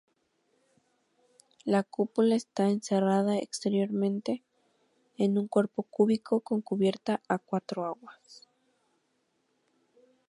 La cúpula está encerrada exteriormente en un cuerpo cúbico, con cubierta a cuatro aguas.